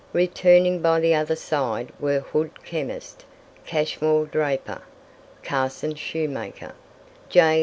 Returning by the other side were Hood, chemist; Cashmore, draper; Carson, shoemaker; J.M.